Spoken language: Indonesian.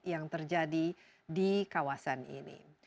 yang terjadi di kawasan ini